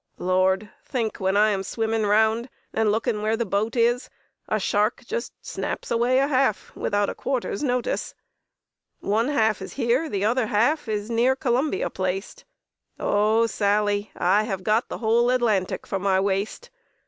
"Lord! think when I am swimming round, And looking where the boat is, A shark just snaps away a half, Without a 'quarter's notice.' "One half is here, the other half Is near Columbia placed; Oh! Sally, I have got the whole Atlantic for my waist.